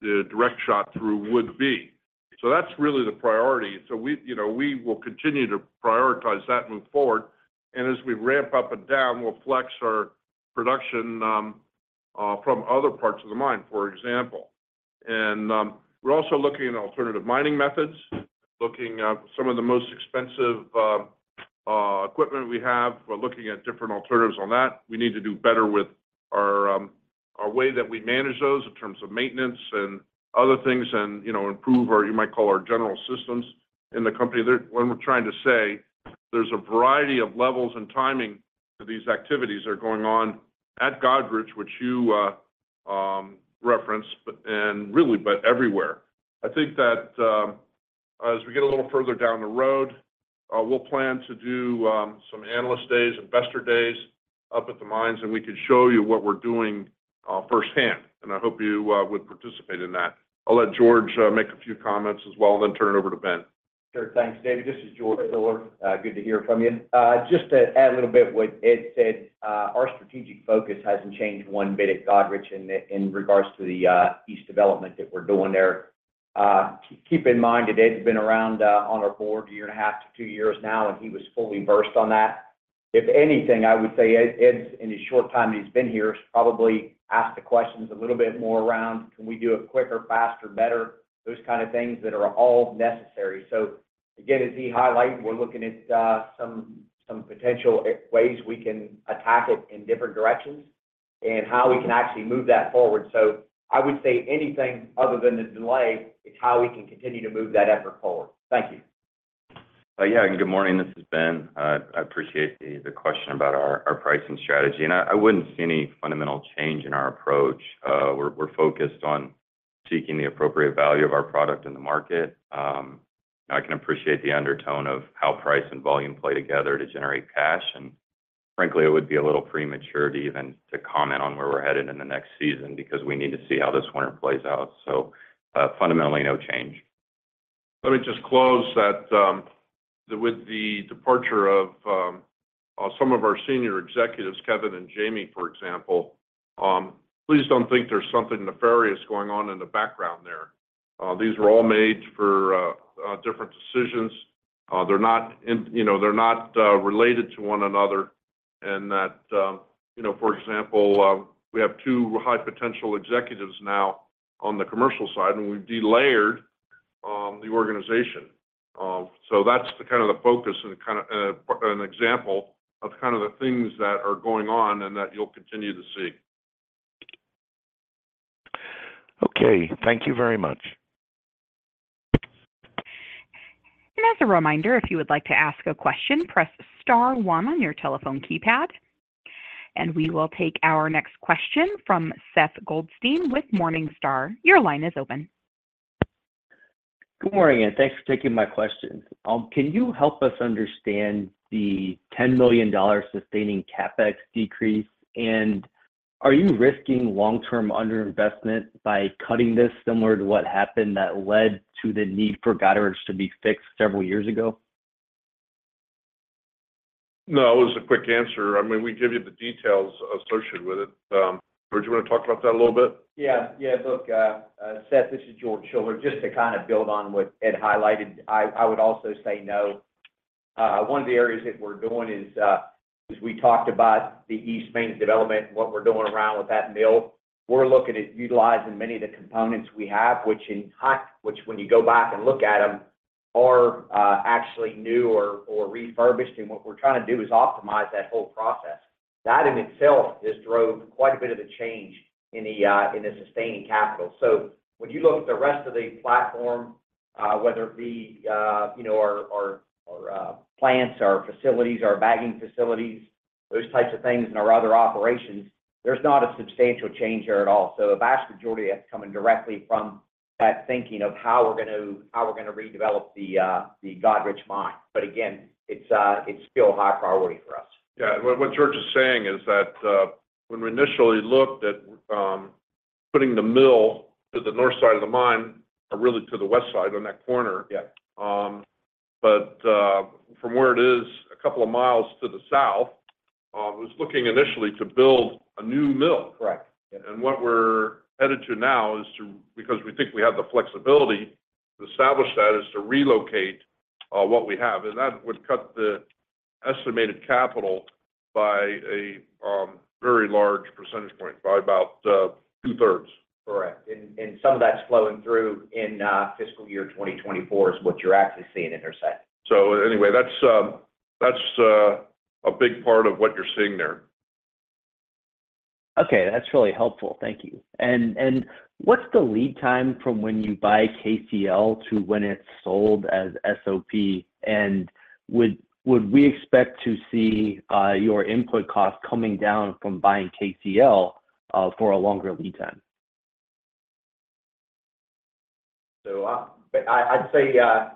[SPEAKER 3] the direct shot through would be. So that's really the priority. So we, you know, we will continue to prioritize that moving forward, and as we ramp up and down, we'll flex our production, from other parts of the mine, for example. And, we're also looking at alternative mining methods, looking at some of the most expensive, equipment we have. We're looking at different alternatives on that. We need to do better with our, our way that we manage those in terms of maintenance and other things and, you know, improve our, you might call our general systems in the company. There... What I'm trying to say, there's a variety of levels and timing to these activities that are going on at Goderich, which you referenced, but and really, but everywhere. I think that, as we get a little further down the road, we'll plan to do some analyst days, investor days, up at the mines, and we can show you what we're doing firsthand, and I hope you would participate in that. I'll let George make a few comments as well, then turn it over to Ben.
[SPEAKER 6] Sure. Thanks, David. This is George Schuller. Good to hear from you. Just to add a little bit what Ed said, our strategic focus hasn't changed one bit at Goderich in regards to the east development that we're doing there. Keep in mind that Ed's been around on our board a year and a half to two years now, and he was fully versed on that. If anything, I would say Ed, Ed, in the short time he's been here, has probably asked the questions a little bit more around: Can we do it quicker, faster, better? Those kind of things that are all necessary. So again, as he highlighted, we're looking at some potential ways we can attack it in different directions and how we can actually move that forward. I would say anything other than the delay, it's how we can continue to move that effort forward. Thank you.
[SPEAKER 11] Yeah, good morning. This is Ben. I appreciate the question about our pricing strategy, and I wouldn't see any fundamental change in our approach. We're focused on seeking the appropriate value of our product in the market. I can appreciate the undertone of how price and volume play together to generate cash, and frankly, it would be a little premature to even comment on where we're headed in the next season because we need to see how this winter plays out. So, fundamentally, no change.
[SPEAKER 3] Let me just close that with the departure of some of our senior executives, Kevin and Jamie, for example, please don't think there's something nefarious going on in the background there. These were all made for different decisions. They're not in... You know, they're not related to one another, and that, you know, for example, we have two high-potential executives now on the commercial side, and we've delayered the organization. So that's the kind of the focus and the kind of an example of kind of the things that are going on and that you'll continue to see.
[SPEAKER 10] Okay. Thank you very much.
[SPEAKER 1] As a reminder, if you would like to ask a question, press Star One on your telephone keypad. We will take our next question from Seth Goldstein with Morningstar. Your line is open.
[SPEAKER 12] Good morning, and thanks for taking my question. Can you help us understand the $10 million sustaining CapEx decrease, and are you risking long-term underinvestment by cutting this similar to what happened that led to the need for Goderich to be fixed several years ago?...
[SPEAKER 3] No, it was a quick answer. I mean, we give you the details associated with it. George, you wanna talk about that a little bit?
[SPEAKER 6] Yeah, yeah. Look, Seth, this is George Schuller. Just to kind of build on what Ed highlighted, I would also say no. One of the areas that we're doing is we talked about the East Main development and what we're doing around with that mill. We're looking at utilizing many of the components we have, which when you go back and look at them, are actually new or refurbished. And what we're trying to do is optimize that whole process. That in itself has drove quite a bit of the change in the sustaining capital. So when you look at the rest of the platform, whether it be, you know, our plants, our facilities, our bagging facilities, those types of things, and our other operations, there's not a substantial change there at all. So a vast majority of that's coming directly from that thinking of how we're gonna redevelop the Goderich mine. But again, it's still a high priority for us.
[SPEAKER 3] Yeah, what, what George is saying is that, when we initially looked at, putting the mill to the north side of the mine, or really to the west side on that corner-
[SPEAKER 6] Yeah...
[SPEAKER 3] But, from where it is, a couple of miles to the south, was looking initially to build a new mill.
[SPEAKER 6] Correct.
[SPEAKER 3] And what we're headed to now is to, because we think we have the flexibility to establish that, is to relocate what we have. And that would cut the estimated capital by a very large percentage point, by about two-thirds.
[SPEAKER 6] Correct. And some of that's flowing through in fiscal year 2024, is what you're actually seeing intersect.
[SPEAKER 3] So anyway, that's a big part of what you're seeing there.
[SPEAKER 12] Okay, that's really helpful. Thank you. And what's the lead time from when you buy KCl to when it's sold as SOP? And would we expect to see your input costs coming down from buying KCl for a longer lead time?
[SPEAKER 6] So, I'd say,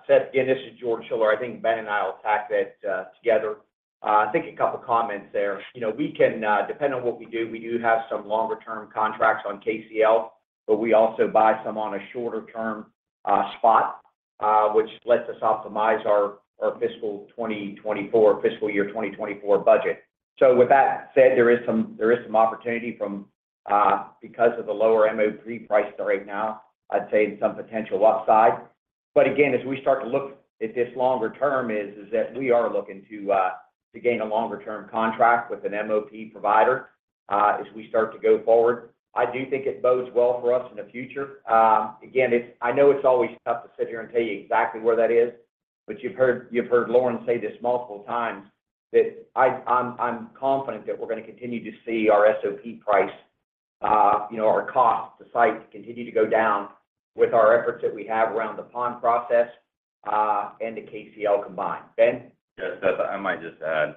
[SPEAKER 6] Seth, again, this is George Schuller. I think Ben and I will attack that together. I think a couple of comments there. You know, we can, depending on what we do, we do have some longer-term contracts on KCl, but we also buy some on a shorter-term spot, which lets us optimize our fiscal 2024, fiscal year 2024 budget. So with that said, there is some opportunity from, because of the lower MOP prices right now, I'd say some potential upside. But again, as we start to look at this longer term is that we are looking to gain a longer-term contract with an MOP provider as we start to go forward. I do think it bodes well for us in the future. Again, it's always tough to sit here and tell you exactly where that is, but you've heard, you've heard Lorin say this multiple times, that I'm confident that we're gonna continue to see our SOP price, you know, our cost to site continue to go down with our efforts that we have around the pond process, and the KCl combined. Ben?
[SPEAKER 11] Yeah, Seth, I might just add,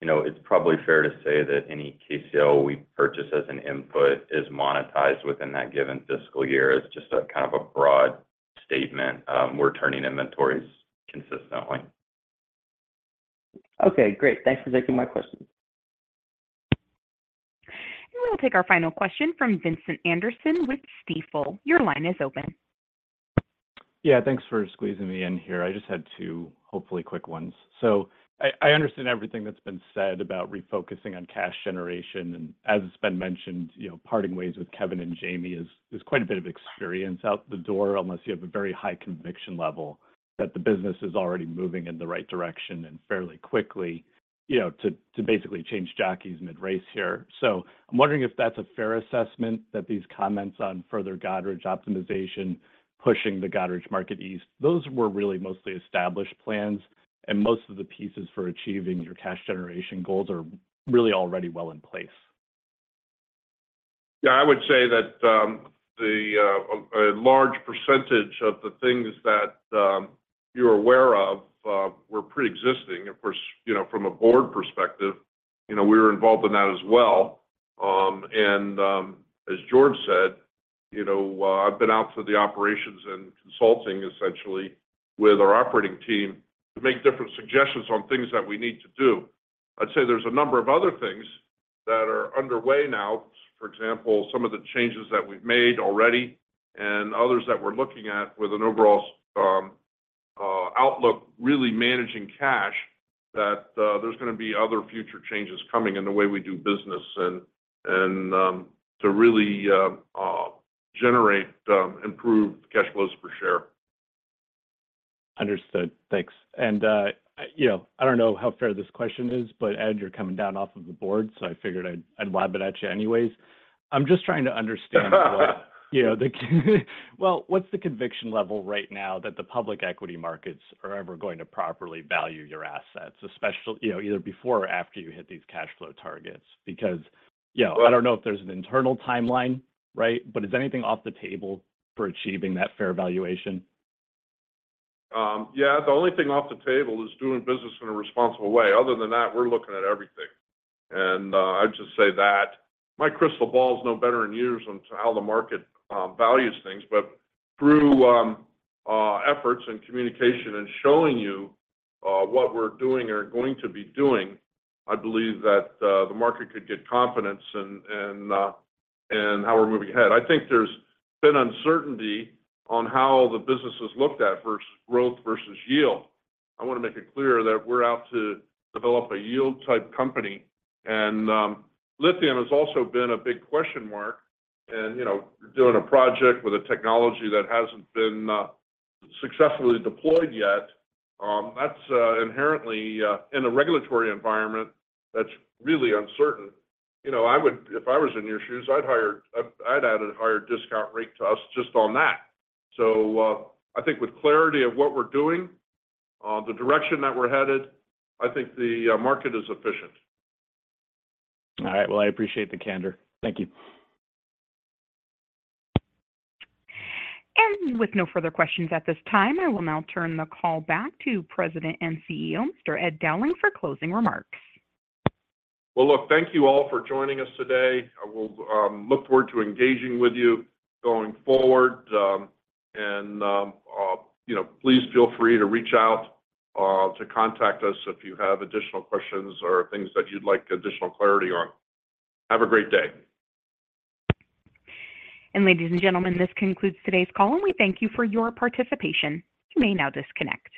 [SPEAKER 11] you know, it's probably fair to say that any KCl we purchase as an input is monetized within that given fiscal year. It's just a kind of a broad statement. We're turning inventories consistently.
[SPEAKER 12] Okay, great. Thanks for taking my question.
[SPEAKER 1] We'll take our final question from Vincent Anderson with Stifel. Your line is open.
[SPEAKER 13] Yeah, thanks for squeezing me in here. I just had two, hopefully, quick ones. So I understand everything that's been said about refocusing on cash generation. And as it's been mentioned, you know, parting ways with Kevin and Jamie is quite a bit of experience out the door, unless you have a very high conviction level that the business is already moving in the right direction and fairly quickly, you know, to basically change jockeys mid-race here. So I'm wondering if that's a fair assessment that these comments on further Goderich optimization, pushing the Goderich market east, those were really mostly established plans, and most of the pieces for achieving your cash generation goals are really already well in place.
[SPEAKER 3] Yeah, I would say that a large percentage of the things that you're aware of were preexisting. Of course, you know, from a board perspective, you know, we were involved in that as well. As George said, you know, I've been out to the operations and consulting essentially with our operating team to make different suggestions on things that we need to do. I'd say there's a number of other things that are underway now. For example, some of the changes that we've made already and others that we're looking at with an overall outlook, really managing cash, that there's gonna be other future changes coming in the way we do business and to really generate improved cash flows per share.
[SPEAKER 13] Understood. Thanks. And, you know, I don't know how fair this question is, but Ed, you're coming down off of the board, so I figured I'd lob it at you anyways. I'm just trying to understand what, you know, well, what's the conviction level right now that the public equity markets are ever going to properly value your assets, especially, you know, either before or after you hit these cash flow targets? Because, you know, I don't know if there's an internal timeline, right? But is anything off the table for achieving that fair valuation?
[SPEAKER 3] Yeah, the only thing off the table is doing business in a responsible way. Other than that, we're looking at everything. And I'd just say that my crystal ball is no better than yours on to how the market values things. But through efforts and communication and showing you what we're doing or going to be doing, I believe that the market could get confidence in in how we're moving ahead. I think there's been uncertainty on how the business is looked at versus growth versus yield. I want to make it clear that we're out to develop a yield-type company, and lithium has also been a big question mark. And, you know, doing a project with a technology that hasn't been successfully deployed yet, that's inherently in a regulatory environment that's really uncertain. You know, I would, if I was in your shoes, I'd add a higher discount rate to us just on that. So, I think with clarity of what we're doing, the direction that we're headed, I think the market is efficient.
[SPEAKER 13] All right. Well, I appreciate the candor. Thank you.
[SPEAKER 1] With no further questions at this time, I will now turn the call back to President and CEO, Mr. Ed Dowling, for closing remarks.
[SPEAKER 3] Well, look, thank you all for joining us today. I will look forward to engaging with you going forward. And, you know, please feel free to reach out to contact us if you have additional questions or things that you'd like additional clarity on. Have a great day.
[SPEAKER 1] Ladies and gentlemen, this concludes today's call, and we thank you for your participation. You may now disconnect.